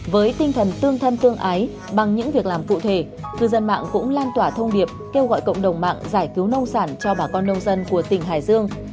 với tinh thần tương thân tương ái bằng những việc làm cụ thể cư dân mạng cũng lan tỏa thông điệp kêu gọi cộng đồng mạng giải cứu nông sản cho bà con nông dân của tỉnh hải dương